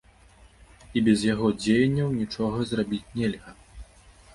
І без яго дзеянняў нічога зрабіць нельга.